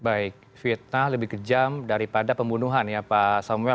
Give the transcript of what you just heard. baik fitnah lebih kejam daripada pembunuhan ya pak samuel